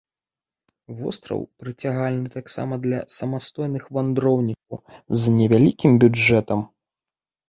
Востраў прыцягальны таксама для самастойных вандроўнікаў з невялікім бюджэтам.